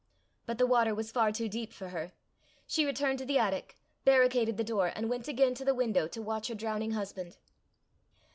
But the water was far too deep for her. She returned to the attic, barricaded the door, and went again to the window to watch her drowning husband.